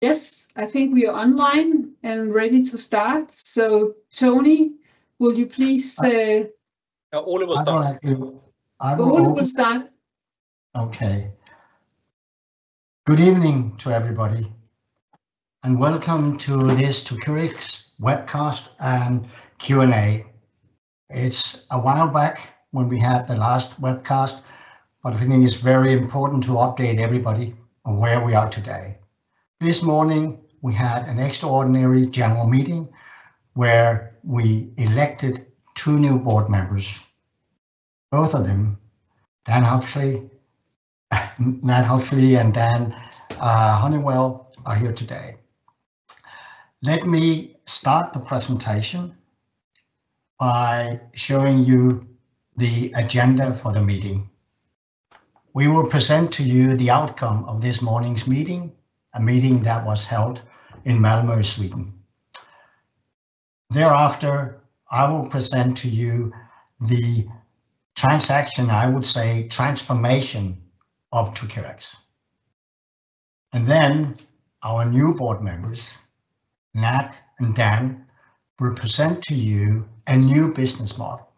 Yes, I think we are online and ready to start. So Tonni, will you please? Ole will start. I will- Ole will start. Okay. Good evening to everybody, and welcome to this 2cureX webcast and Q&A. It's a while back when we had the last webcast, but we think it's very important to update everybody on where we are today. This morning, we had an extraordinary general meeting, where we elected two new board members. Both of them, Dan Honeywell and Nat Hutley, are here today. Let me start the presentation by showing you the agenda for the meeting. We will present to you the outcome of this morning's meeting, a meeting that was held in Malmö, Sweden. Thereafter, I will present to you the transaction, I would say, transformation of 2cureX. Our new board members, Nat and Dan, will present to you a new business model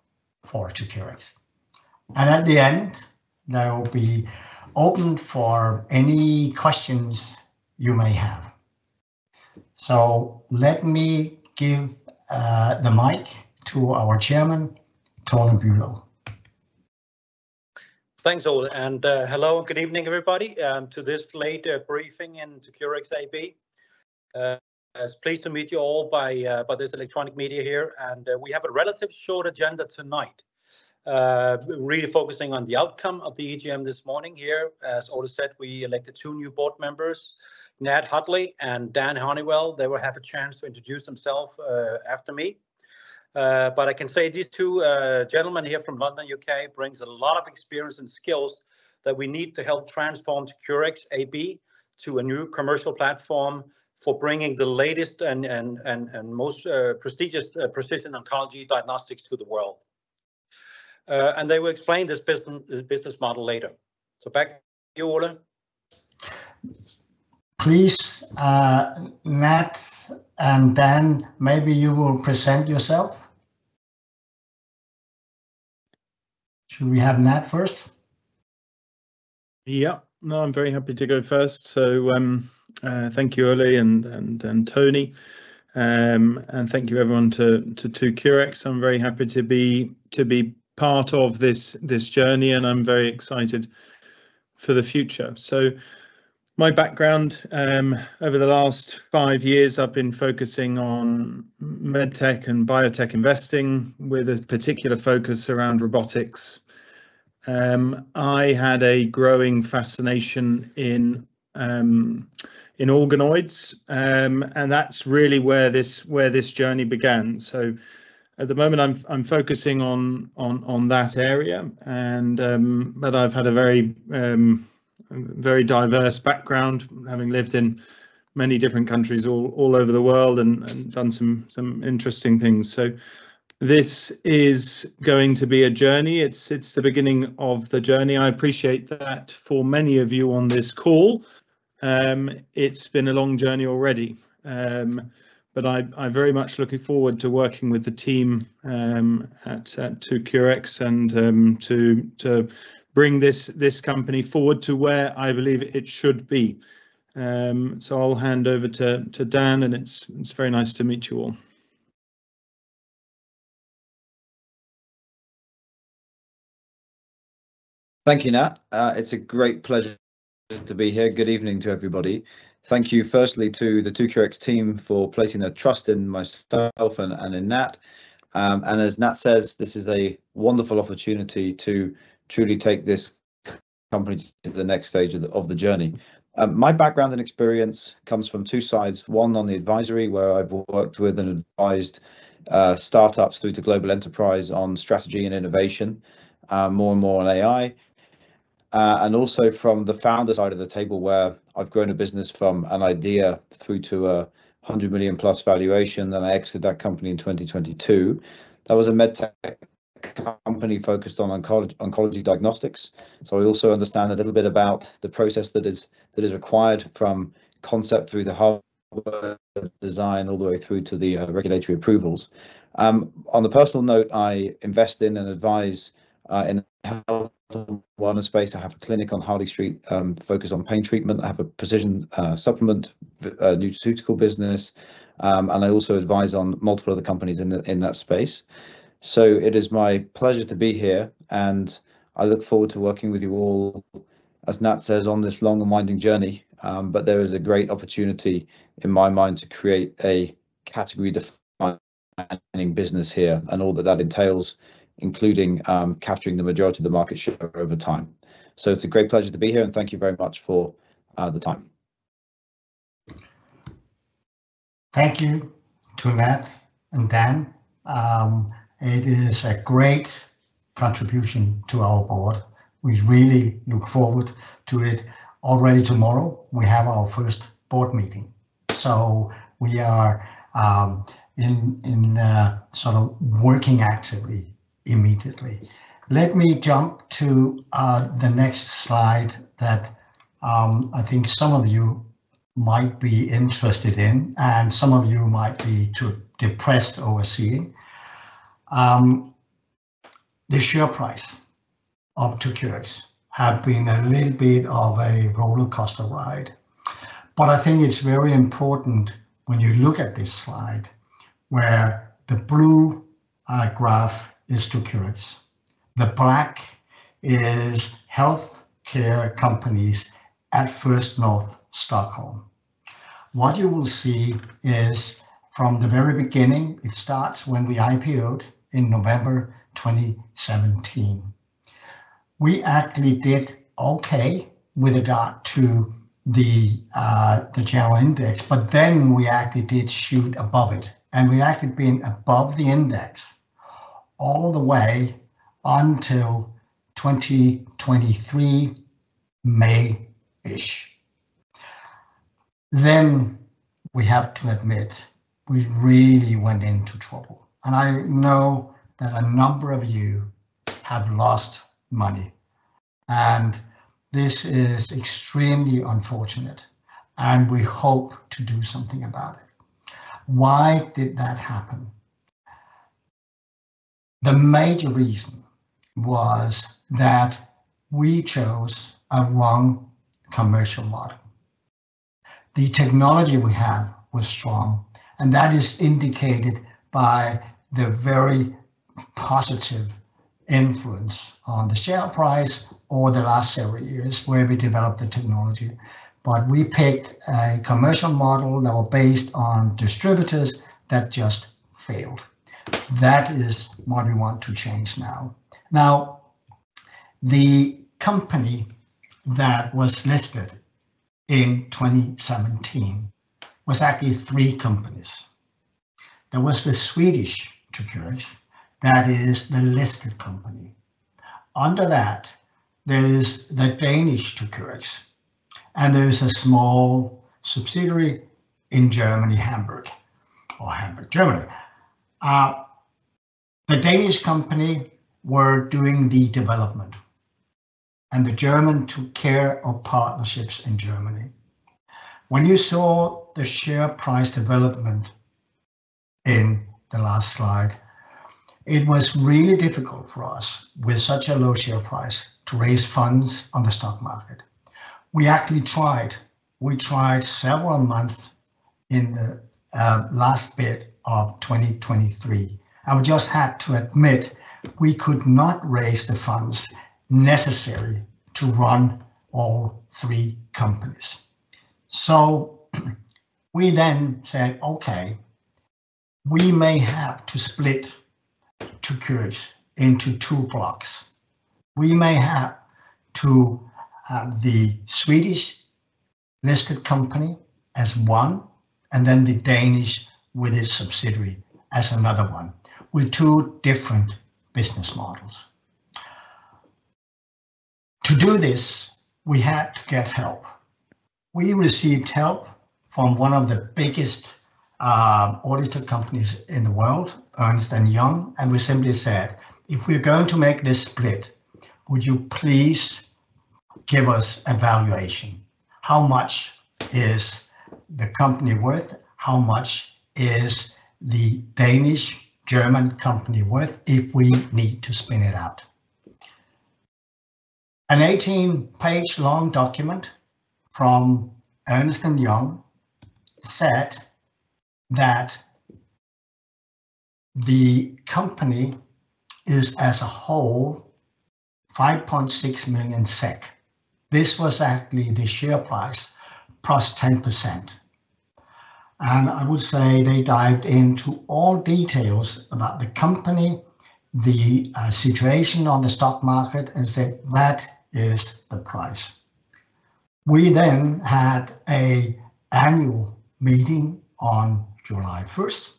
for 2cureX. At the end, they will be open for any questions you may have. Let me give the mic to our Chairman, Tonni Bülow. Thanks, Ole, and hello, good evening, everybody, to this late briefing in 2cureX AB. I'm pleased to meet you all by this electronic media here, and we have a relatively short agenda tonight. Really focusing on the outcome of the EGM this morning here. As Ole said, we elected two new board members, Nat Hutley and Dan Honeywell. They will have a chance to introduce themselves after me. But I can say these two gentlemen here from London, U.K., brings a lot of experience and skills that we need to help transform 2cureX AB to a new commercial platform for bringing the latest and most prestigious precision oncology diagnostics to the world. And they will explain this business, this business model later. So back to you, Ole. Please, Nat and Dan, maybe you will present yourself. Should we have Nat first? Yeah. No, I'm very happy to go first. So, thank you, Ole and Tonni. And thank you everyone to 2cureX. I'm very happy to be part of this journey, and I'm very excited for the future. So my background over the last five years, I've been focusing on med tech and biotech investing, with a particular focus around robotics. I had a growing fascination in organoids, and that's really where this journey began. So at the moment, I'm focusing on that area, and but I've had a very diverse background, having lived in many different countries all over the world and done some interesting things. So this is going to be a journey. It's the beginning of the journey. I appreciate that for many of you on this call, it's been a long journey already. But I'm very much looking forward to working with the team at 2cureX and to bring this company forward to where I believe it should be. So I'll hand over to Dan, and it's very nice to meet you all. Thank you, Nat. It's a great pleasure to be here. Good evening to everybody. Thank you firstly to the 2cureX team for placing their trust in myself and in Nat. And as Nat says, this is a wonderful opportunity to truly take this company to the next stage of the journey. My background and experience comes from two sides, one on the advisory, where I've worked with and advised startups through to global enterprise on strategy and innovation, more and more on AI. And also from the founder side of the table, where I've grown a business from an idea through to a hundred million plus valuation, then I exited that company in 2022. That was a med tech company focused on oncology, oncology diagnostics, so I also understand a little bit about the process that is required from concept through the hardware design, all the way through to the regulatory approvals. On the personal note, I invest in and advise in health and wellness space. I have a clinic on Harley Street, focused on pain treatment. I have a precision supplement nutraceutical business, and I also advise on multiple other companies in that, in that space. So it is my pleasure to be here, and I look forward to working with you all, as Nat says, on this long and winding journey. But there is a great opportunity in my mind to create a category-defining business here and all that that entails, including capturing the majority of the market share over time. So it's a great pleasure to be here, and thank you very much for the time. Thank you to Nat and Dan. It is a great contribution to our board. We really look forward to it. Already tomorrow, we have our first board meeting, so we are sort of working actively immediately. Let me jump to the next slide that I think some of you might be interested in, and some of you might be too depressed overseeing. The share price of 2cureX have been a little bit of a rollercoaster ride, but I think it's very important when you look at this slide, where the blue graph is 2cureX. The black is healthcare companies at First North Stockholm. What you will see is from the very beginning, it starts when we IPO'd in November 2017. We actually did okay up to the general index, but then we actually did shoot above it, and we actually been above the index all the way until 2023, May-ish. Then, we have to admit, we really went into trouble, and I know that a number of you have lost money, and this is extremely unfortunate, and we hope to do something about it. Why did that happen? The major reason was that we chose a wrong commercial model. The technology we had was strong, and that is indicated by the very positive influence on the share price over the last several years where we developed the technology, but we picked a commercial model that was based on distributors that just failed. That is what we want to change now. Now, the company that was listed in 2017 was actually three companies. There was the Swedish 2cureX, that is the listed company. Under that, there is the Danish 2cureX, and there is a small subsidiary in Germany, Hamburg, or Hamburg, Germany. The Danish company were doing the development, and the German took care of partnerships in Germany. When you saw the share price development in the last slide, it was really difficult for us, with such a low share price, to raise funds on the stock market. We actually tried. We tried several months in the last bit of twenty twenty-three, and we just had to admit we could not raise the funds necessary to run all three companies. So we then said, "Okay, we may have to split 2cureX into two blocks. We may have to, the Swedish-listed company as one, and then the Danish with its subsidiary as another one, with two different business models. To do this, we had to get help. We received help from one of the biggest, auditor companies in the world, Ernst & Young, and we simply said, "If we're going to make this split, would you please give us a valuation? How much is the company worth? How much is the Danish-German company worth if we need to spin it out?" An 18-page-long document from Ernst & Young said that the company is, as a whole, 5.6 million SEK. This was actually the share price +10%, and I would say they dived into all details about the company, the situation on the stock market, and said, "That is the price." We then had an annual meeting on July first,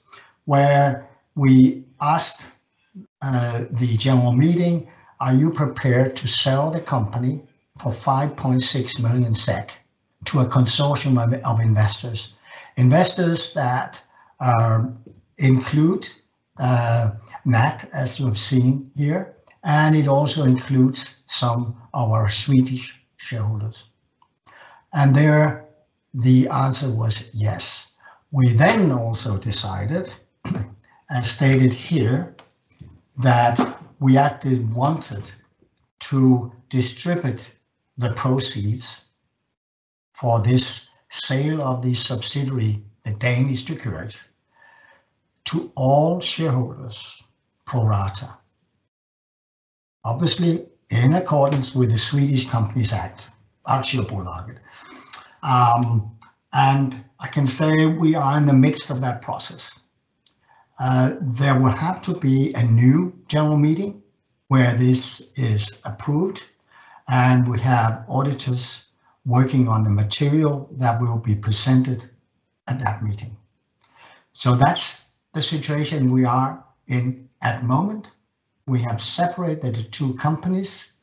where we asked the general meeting, "Are you prepared to sell the company for 5.6 million SEK to a consortium of investors?" Investors that include Nat, as you have seen here, and it also includes some of our Swedish shareholders. There, the answer was yes. We then also decided, and stated here, that we actually wanted to distribute the proceeds for this sale of the subsidiary, the Danish 2cureX, to all shareholders pro rata. Obviously, in accordance with the Swedish Companies Act, Aktiebolaget, and I can say we are in the midst of that process. There will have to be a new general meeting where this is approved, and we have auditors working on the material that will be presented at that meeting. So that's the situation we are in at the moment. We have separated the two companies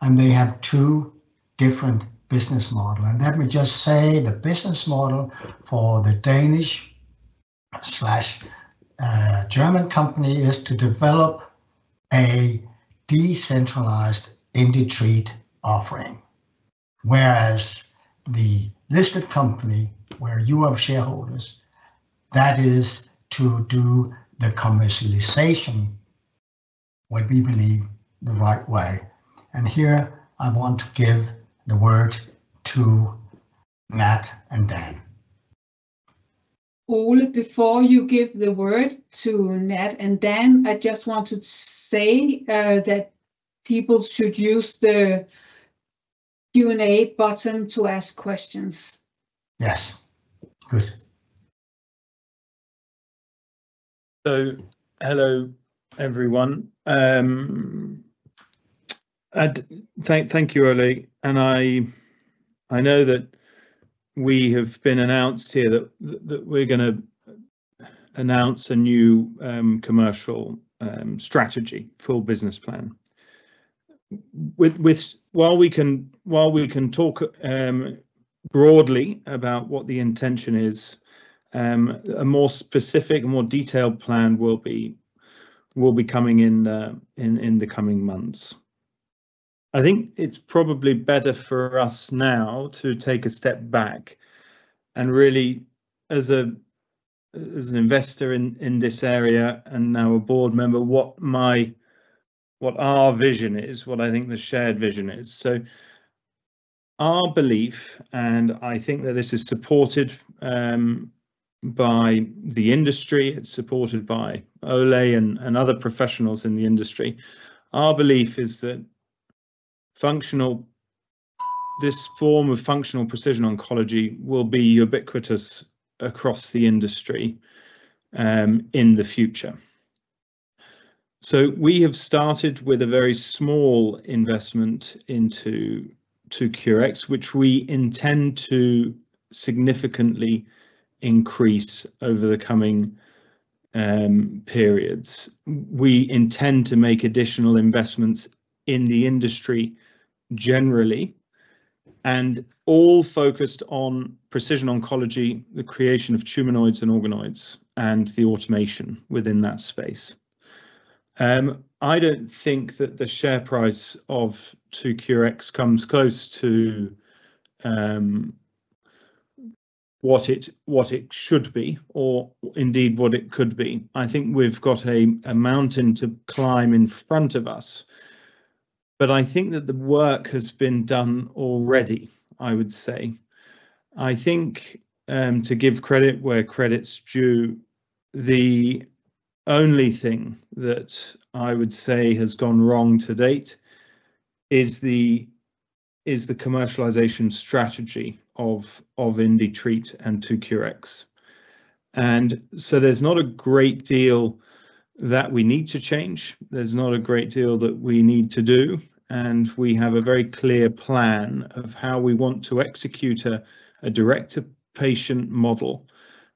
and they have two different business model. And let me just say, the business model for the Danish, German company is to develop a decentralized IndiTreat offering, whereas the listed company, where you are shareholders, that is to do the commercialization what we believe the right way. And here, I want to give the word to Nat and Dan. Ole, before you give the word to Nat and Dan, I just want to say that people should use the Q&A button to ask questions. Yes. Good. Hello, everyone. Thank you, Ole. I know that we have been announced here that we're gonna announce a new commercial strategy full business plan. While we can talk broadly about what the intention is, a more specific and more detailed plan will be coming in the coming months. I think it's probably better for us now to take a step back, and really, as an investor in this area, and now a board member, what our vision is, what I think the shared vision is. Our belief, and I think that this is supported by the industry, it's supported by Ole and other professionals in the industry, our belief is that functional... This form of functional precision oncology will be ubiquitous across the industry, in the future. So we have started with a very small investment into 2cureX, which we intend to significantly increase over the coming, periods. We intend to make additional investments in the industry generally, and all focused on precision oncology, the creation of tumoroids and organoids, and the automation within that space. I don't think that the share price of 2cureX comes close to, what it should be or indeed what it could be. I think we've got a mountain to climb in front of us, but I think that the work has been done already, I would say. I think, to give credit where credit's due, the only thing that I would say has gone wrong to date is the commercialization strategy of IndiTreat and 2cureX. And so there's not a great deal that we need to change. There's not a great deal that we need to do, and we have a very clear plan of how we want to execute a direct-to-patient model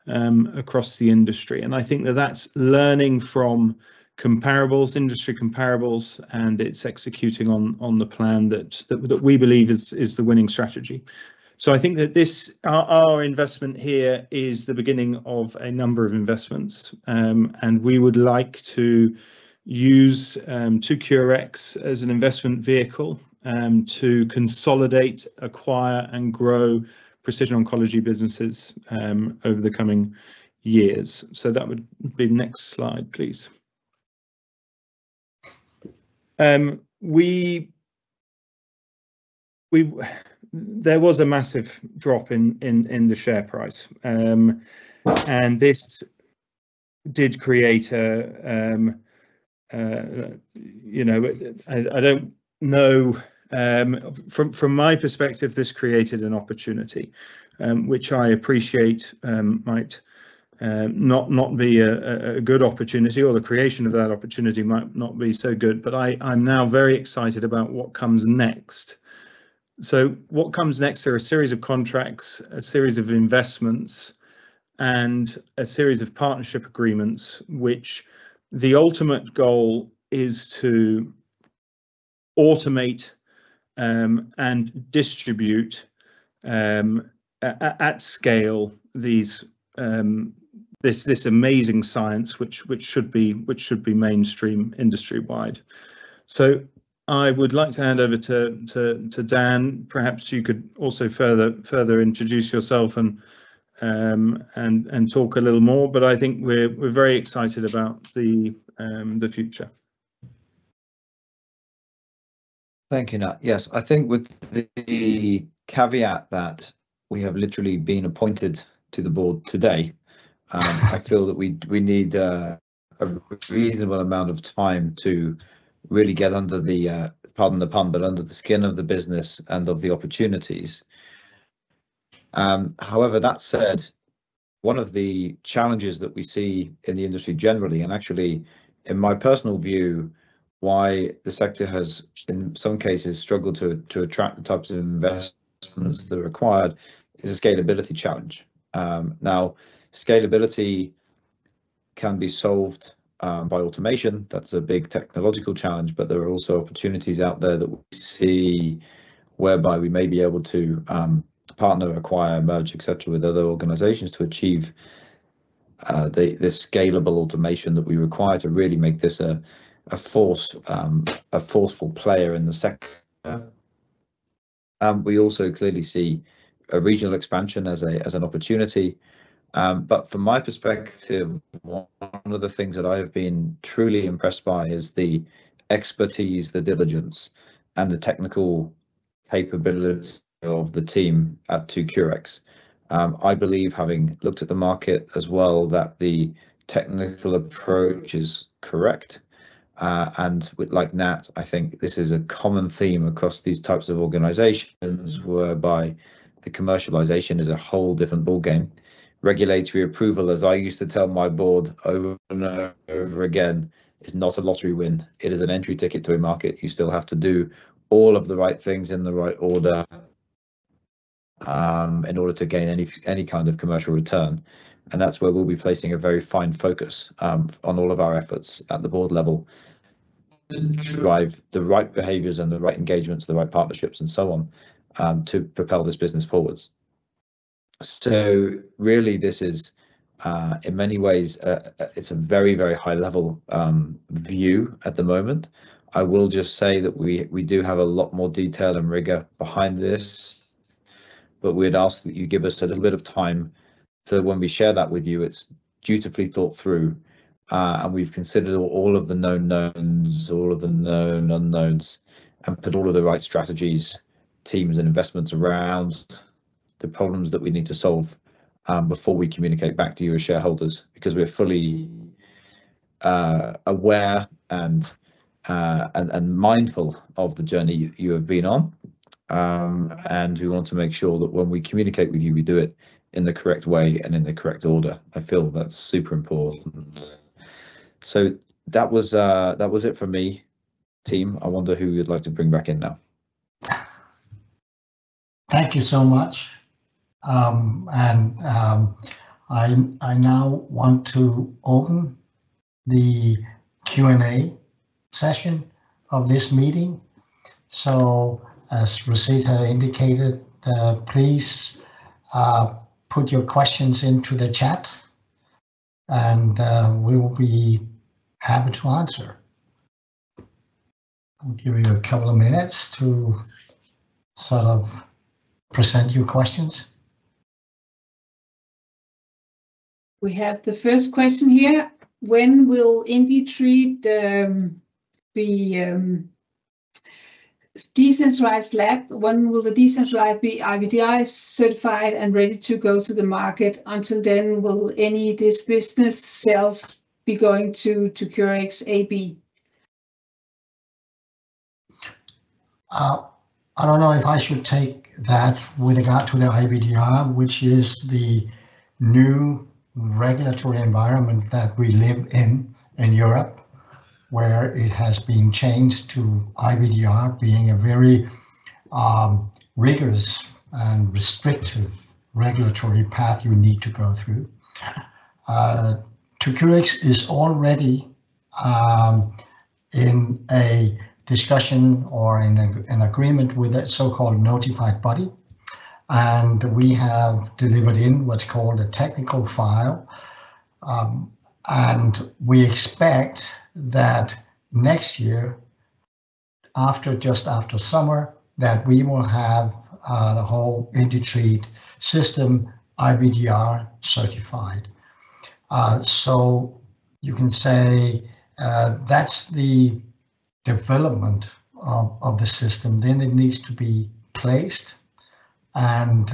across the industry. And I think that that's learning from comparables, industry comparables, and it's executing on the plan that we believe is the winning strategy. So I think that this, our investment here is the beginning of a number of investments. And we would like to use 2cureX as an investment vehicle to consolidate, acquire, and grow precision oncology businesses over the coming years. So that would be the next slide, please. There was a massive drop in the share price, and this did create, you know, I don't know, from my perspective, this created an opportunity, which I appreciate might not be a good opportunity, or the creation of that opportunity might not be so good, but I'm now very excited about what comes next. So what comes next are a series of contracts, a series of investments, and a series of partnership agreements, which the ultimate goal is to automate and distribute at scale this amazing science, which should be mainstream industry-wide. So I would like to hand over to Dan. Perhaps you could also further introduce yourself and talk a little more, but I think we're very excited about the future. Thank you, Nat. Yes, I think with the caveat that we have literally been appointed to the board today. I feel that we need a reasonable amount of time to really get under the, pardon the pun, but under the skin of the business and of the opportunities. However, that said, one of the challenges that we see in the industry generally, and actually in my personal view, why the sector has, in some cases, struggled to attract the types of investments that are required, is a scalability challenge. Now, scalability can be solved by automation. That's a big technological challenge, but there are also opportunities out there that we see whereby we may be able to partner, acquire, merge, et cetera, with other organizations to achieve the scalable automation that we require to really make this a force, a forceful player in the sector. We also clearly see a regional expansion as an opportunity, but from my perspective, one of the things that I have been truly impressed by is the expertise, the diligence, and the technical capabilities of the team at 2cureX. I believe, having looked at the market as well, that the technical approach is correct, and with like Nat, I think this is a common theme across these types of organizations, whereby the commercialization is a whole different ballgame. Regulatory approval, as I used to tell my board over and over again, is not a lottery win. It is an entry ticket to a market. You still have to do all of the right things in the right order, in order to gain any kind of commercial return, and that's where we'll be placing a very fine focus, on all of our efforts at the board level, and drive the right behaviors and the right engagements, the right partnerships and so on, to propel this business forward. So really, this is, in many ways, it's a very, very high-level view at the moment. I will just say that we do have a lot more detail and rigor behind this, but we'd ask that you give us a little bit of time, so that when we share that with you, it's dutifully thought through, and we've considered all of the known knowns, all of the known unknowns, and put all of the right strategies, teams, and investments around the problems that we need to solve before we communicate back to you as shareholders, because we're fully aware and mindful of the journey you have been on, and we want to make sure that when we communicate with you, we do it in the correct way and in the correct order. I feel that's super important, so that was, that was it for me. Team, I wonder who you'd like to bring back in now? Thank you so much. I now want to open the Q&A session of this meeting, so as Rosita indicated, please put your questions into the chat, and we will be happy to answer. I'll give you a couple of minutes to sort of present your questions. We have the first question here. When will IndiTreat be decentralized? When will the decentralized be IVD-R certified and ready to go to the market? Until then, will any of this business sales be going to 2cureX AB? I don't know if I should take that with regard to the IVD-R, which is the new regulatory environment that we live in, in Europe, where it has been changed to IVD-R being a very, rigorous and restrictive regulatory path you need to go through. 2cureX is already in a discussion or an agreement with a so-called notified body, and we have delivered in what's called a technical file, and we expect that next year, just after summer, that we will have the whole IndiTreat system IVD-R certified. So you can say that's the development of the system, then it needs to be placed, and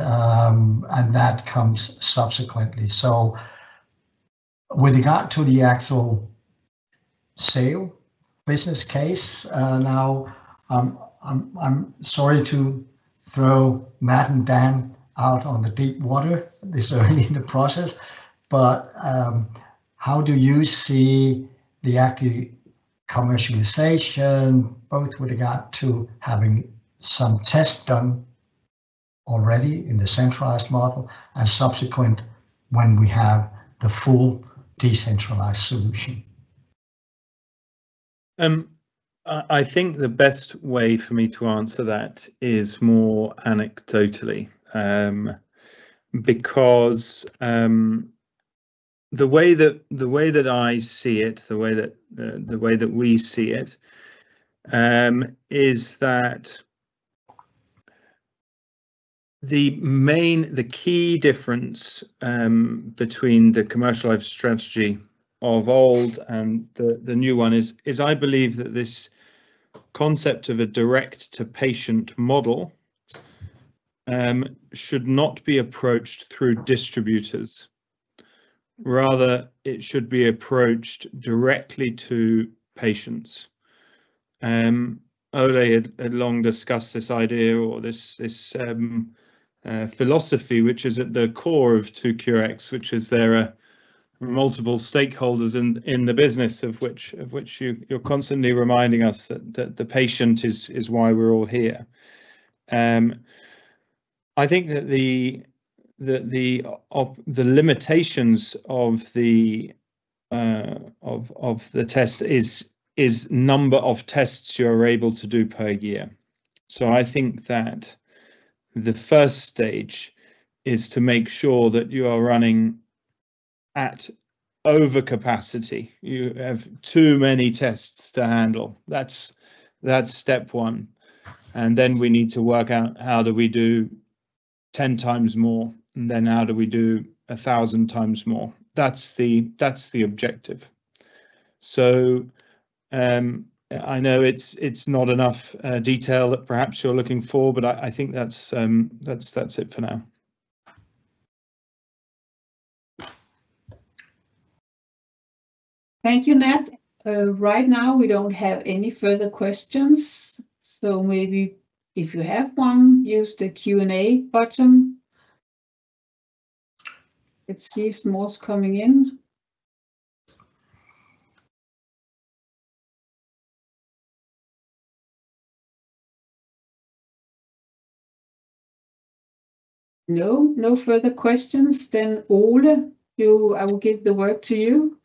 that comes subsequently. With regard to the actual sale business case, now, I'm sorry to throw Nat and Dan out on the deep water this early in the process, but, how do you see the active commercialization, both with regard to having some tests done already in the centralized model and subsequent when we have the full decentralized solution? I think the best way for me to answer that is more anecdotally. Because the way that we see it is that the key difference between the commercialized strategy of old and the new one is I believe that this concept of a direct-to-patient model should not be approached through distributors. Rather, it should be approached directly to patients. Ole had long discussed this idea or this philosophy, which is at the core of 2cureX, which is there are multiple stakeholders in the business, of which you're constantly reminding us that the patient is why we're all here. I think that the limitations of the test is number of tests you're able to do per year. So I think that the first stage is to make sure that you are running at over capacity. You have too many tests to handle. That's step one, and then we need to work out how do we do ten times more, and then how do we do a thousand times more? That's the objective. So, I know it's not enough detail that perhaps you're looking for, but I think that's it for now. Thank you, Nat. Right now, we don't have any further questions, so maybe if you have one, use the Q&A button. Let's see if more is coming in. No, no further questions, then Ole. I will give the word to you.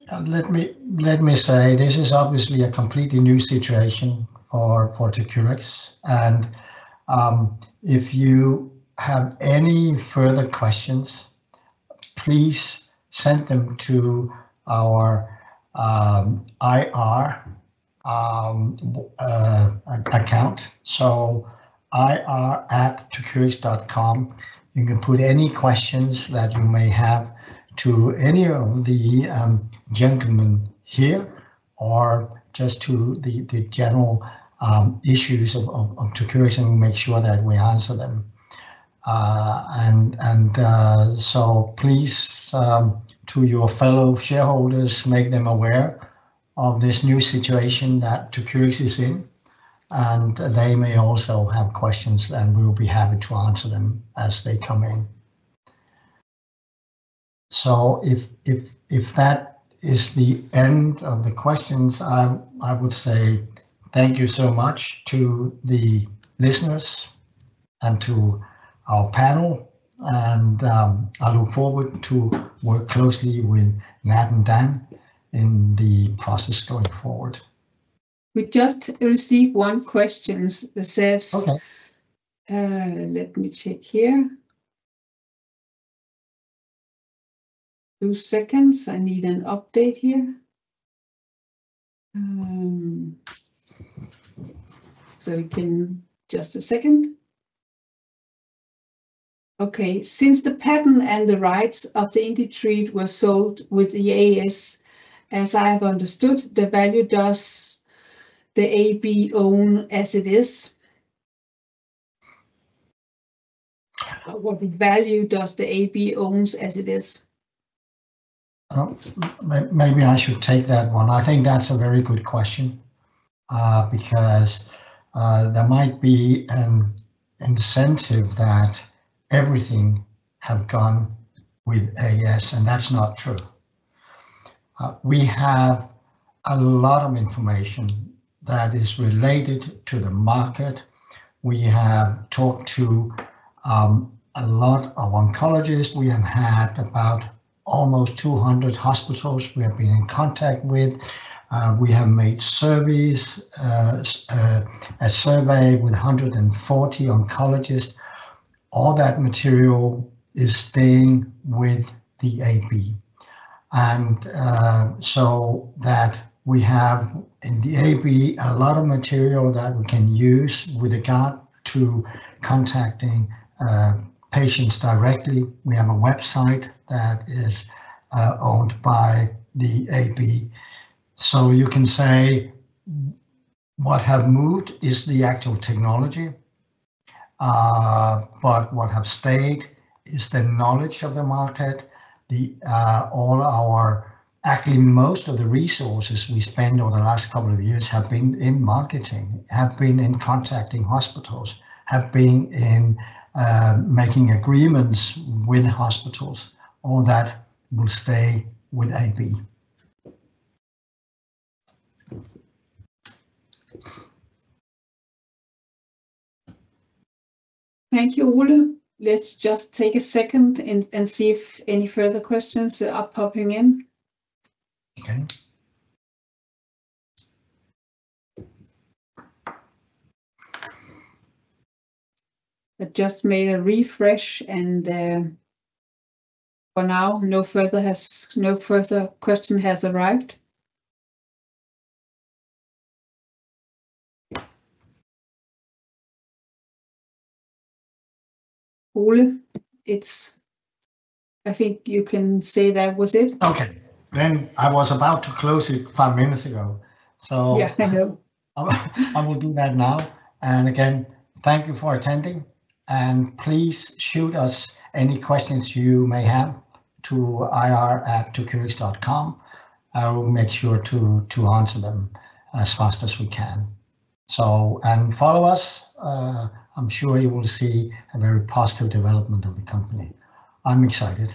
Yeah, let me say, this is obviously a completely new situation for 2cureX, and if you have any further questions, please send them to our IR account, so ir@2curex.com. You can put any questions that you may have to any of the gentlemen here, or just to the general issues of 2cureX, and we'll make sure that we answer them, and so please to your fellow shareholders, make them aware of this new situation that 2cureX is in, and they may also have questions, and we will be happy to answer them as they come in. So if that is the end of the questions, I would say thank you so much to the listeners and to our panel, and I look forward to work closely with Nat and Dan in the process going forward. We just received one question. It says- Okay. Let me check here. Two seconds. I need an update here. Okay, since the patent and the rights of the IndiTreat were sold with the A/S, as I have understood, the value does the AB own as it is? What value does the AB own as it is? Maybe I should take that one. I think that's a very good question, because there might be an incentive that everything have gone with A/S, and that's not true. We have a lot of information that is related to the market. We have talked to a lot of oncologists. We have had about almost 200 hospitals we have been in contact with. We have made surveys, a survey with 140 oncologists. All that material is staying with the AB, and so that we have, in the AB, a lot of material that we can use with regard to contacting patients directly. We have a website that is owned by the AB. So you can say, what have moved is the actual technology, but what have stayed is the knowledge of the market. Actually, most of the resources we spend over the last couple of years have been in marketing, have been in contacting hospitals, have been in making agreements with hospitals. All that will stay with AB. Thank you, Ole. Let's just take a second and see if any further questions are popping in. Okay. I just made a refresh, and, for now, no further question has arrived. Ole, I think you can say that was it. Okay. Then I was about to close it five minutes ago. So- Yeah, I know. I will do that now, and again, thank you for attending, and please shoot us any questions you may have to ir@2curex.com. I will make sure to answer them as fast as we can, and follow us. I'm sure you will see a very positive development of the company. I'm excited.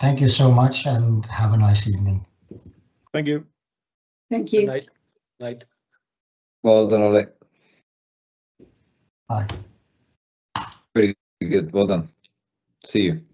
Thank you so much, and have a nice evening. Thank you. Thank you. Good night. Bye. Well done, Ole. Bye. Very good. Well done. See you.